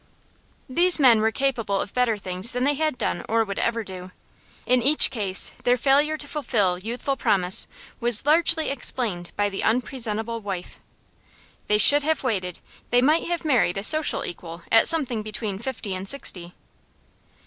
These men were capable of better things than they had done or would ever do; in each case their failure to fulfil youthful promise was largely explained by the unpresentable wife. They should have waited; they might have married a social equal at something between fifty and sixty.